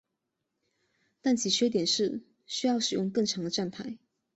但其缺点是需要使用更长的站台。